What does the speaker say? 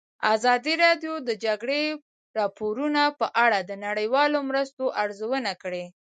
ازادي راډیو د د جګړې راپورونه په اړه د نړیوالو مرستو ارزونه کړې.